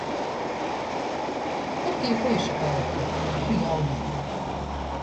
Kur tī puiši palyka, kur jauneiba…